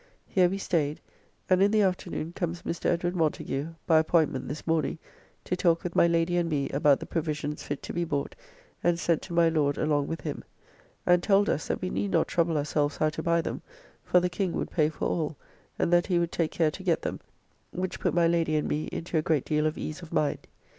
Here we staid; and in the afternoon comes Mr. Edwd. Montagu (by appointment this morning) to talk with my Lady and me about the provisions fit to be bought, and sent to my Lord along with him. And told us, that we need not trouble ourselves how to buy them, for the King would pay for all, and that he would take care to get them: which put my Lady and me into a great deal of ease of mind.